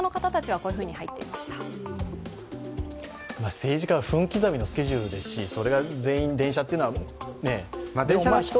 政治家は分刻みのスケジュールですしそれが全員電車っていうのは。